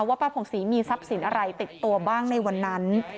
ป้าผ่องศรีมีทรัพย์สินอะไรติดตัวบ้างในวันนั้น